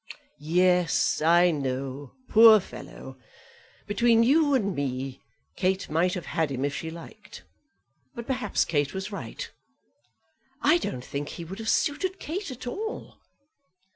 "Yes, I know, poor fellow! Between you and me, Kate might have had him if she liked; but perhaps Kate was right." "I don't think he would have suited Kate at all."